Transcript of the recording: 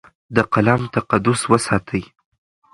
د قلم تقدس وساتئ.